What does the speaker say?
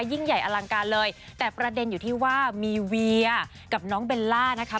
ยิ่งใหญ่อลังการเลยแต่ประเด็นอยู่ที่ว่ามีเวียกับน้องเบลล่านะคะ